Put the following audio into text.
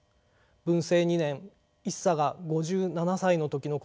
文政２年一茶が５７歳の時のことです。